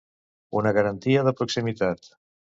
Una garantia de proximitat.